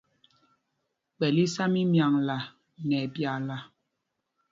Kpɛ̂l í sá mímyaŋla nɛ ɛpyaala.